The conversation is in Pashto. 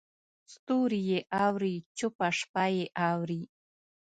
ستوري یې اوري چوپه شپه یې اوري